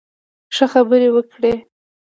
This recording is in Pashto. ښه، خبرې وکړئ